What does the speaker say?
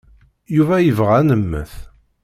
Yuba yebɣa ad nemmet.